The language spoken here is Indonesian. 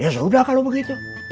ya sudah kalau begitu